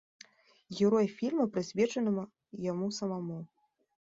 Герой фільма, прысвечанага яму самому.